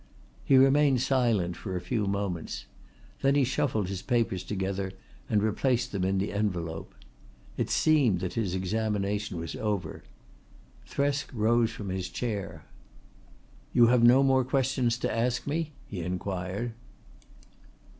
He remained silent for a few moments. Then he shuffled his papers together and replaced them in the envelope. It seemed that his examination was over. Thresk rose from his chair. "You have no more questions to ask me?" he inquired.